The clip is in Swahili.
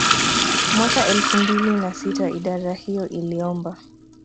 Mwaka elfu mbili na sita idara hiyo iliomba